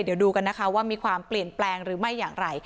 เดี๋ยวดูกันนะคะว่ามีความเปลี่ยนแปลงหรือไม่อย่างไร